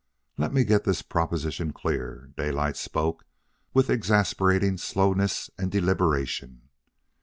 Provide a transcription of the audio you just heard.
"Let me get this proposition clear." Daylight spoke with exasperating slowness and deliberation.